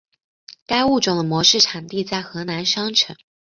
该物种的模式产地在河南商城。